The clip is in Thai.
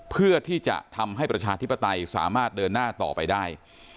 เพื่อที่จะทำให้ประชาธิปไตยสามารถเดินหน้าต่อไปได้